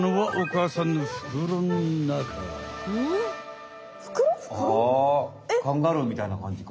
あカンガルーみたいなかんじか。